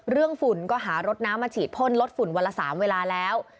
ฝุ่นก็หารถน้ำมาฉีดพ่นลดฝุ่นวันละ๓เวลาแล้ว